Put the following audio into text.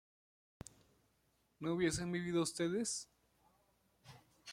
¿no hubiesen vivido ustedes?